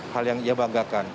hal yang ia banggakan